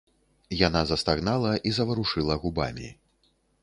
Яна застагнала і заварушыла губамі.